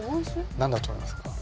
何だと思いますか？